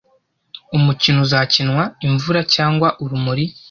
Umukino uzakinwa imvura cyangwa urumuri.